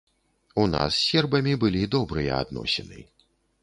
У нас з сербамі былі добрыя адносіны.